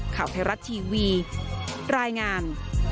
ข่าวไทยรัฐทีวีรายงาน